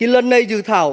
lần này dự thảo